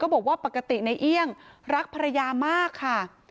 บอกว่าปกติในเอี่ยงรักภรรยามากค่ะ